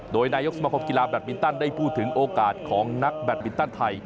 โดยนายกสมคมกีฬาแบตมินตันได้พูดถึงโอกาสของนักแบตมินตันไทย